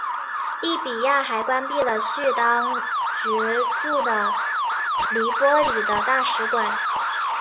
利比亚还关闭了叙当局驻的黎波里的大使馆。